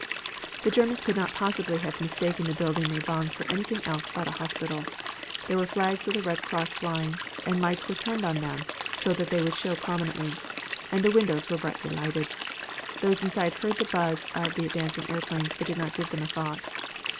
"The Germans could not possibly have mistaken the building they bombed for anything else but a hospital. There were flags with a red cross flying, and lights were turned on them so that they would show prominently. And the windows were brilliantly lighted. Those inside heard the buzz of the advancing airplanes, but did not give them a thought.